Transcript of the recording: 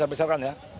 jangan dibesarkan ya